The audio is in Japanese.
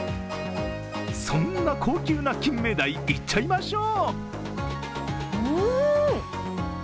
そんな高級な金目鯛、いっちゃいましょう。